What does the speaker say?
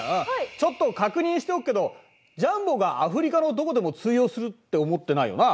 ちょっと確認しておくけどｊａｍｂｏがアフリカのどこでも通用するって思ってないよな？